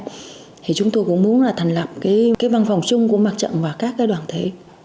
thì chúng tôi cũng muốn là thành lập cái văn phòng chung của mặt trận và các cái đoàn thể